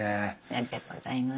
ありがとうございます。